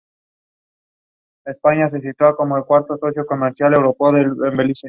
Cuando se sentaron a comer, el cañón fue disparado y muchos indios fueron asesinados.